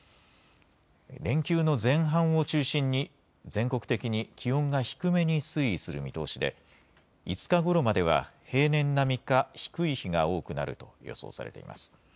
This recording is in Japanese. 連休の前半を中心に、全国的に気温が低めに推移する見通しで、５日ごろまでは、平年並みか、低い日が多くなると予想されています。